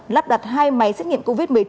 lắp đặt hai máy xét nghiệm covid một mươi chín